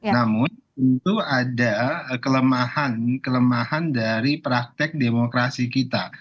namun tentu ada kelemahan kelemahan dari praktek demokrasi kita